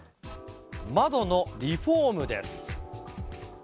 窓のリフォームです。